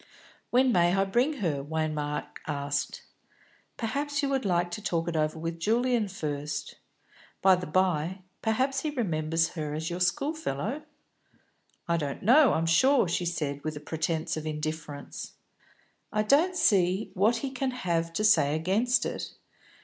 "When may I bring her!" Waymark asked. "Perhaps you would like to talk it over with Julian first? By the by, perhaps he remembers her as your schoolfellow?" "I don't know, I'm sure," she said, with a pretence of indifference. "I don't see what he can have to say against it.